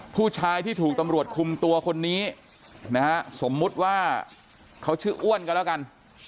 ผู้ชายที่ถูกตำรวจคุมตัวคนนี้นะฮะสมมุติว่าเขาชื่ออ้วนก็แล้วกัน